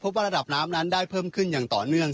ว่าระดับน้ำนั้นได้เพิ่มขึ้นอย่างต่อเนื่อง